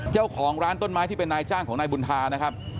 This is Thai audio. เจ้าของร้านต้นไม้ที่เป็นนายจ้างของนายบุญธานะครับ